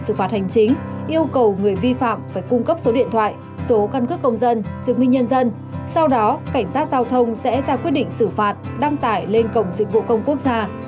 sau đó cảnh sát giao thông sẽ ra quyết định xử phạt đăng tải lên cổng dịch vụ công quốc gia